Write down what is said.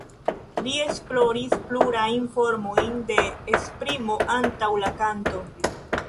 Li esploris plurajn formojn de esprimo antaŭ la kanto.